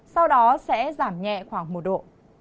sau đó sẽ giảm nhẹ khoảng một độ